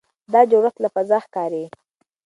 دا جوړښت له فضا ښکاري.